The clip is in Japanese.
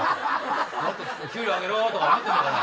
もっと給料上げろとか思ってんだから。